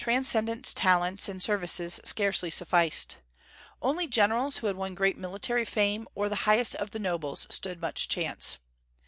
Transcendent talents and services scarcely sufficed. Only generals who had won great military fame, or the highest of the nobles, stood much chance.